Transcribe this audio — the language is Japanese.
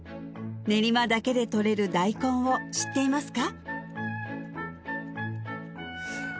練馬だけでとれる大根を知っていますか？